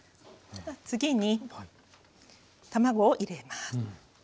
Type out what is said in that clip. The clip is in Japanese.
次に卵を入れます。